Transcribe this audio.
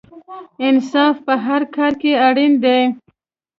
انصاف په هر کار کې اړین دی.